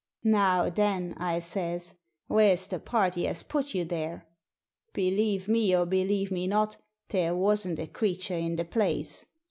* Now then/ I says ;' where's the party as put you there ?' Believe me, or believe me not, there wasn't a creature in the place.